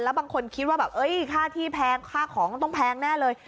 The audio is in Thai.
บางคนคิดว่าแบบค่าที่แพงค่าของมันต้องแพงแน่เลย